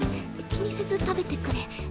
気にせず食べてくれ。